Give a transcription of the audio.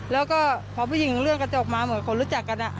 แล้วก็พอผู้หญิงเรื่องกระจกมาเหมือนคนรู้จักกัน